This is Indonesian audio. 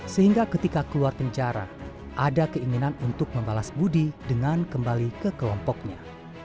sehingga ketika keluar penjara ada keinginan untuk membalas budi dengan kembali ke kelompoknya